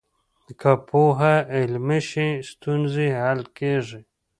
که پوهه عملي شي، ستونزې حل کېږي.